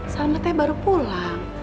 salmatnya baru pulang